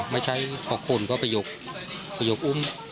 ไม่ใช่ขอกคนนั้นต้องไปหยบอุ้ม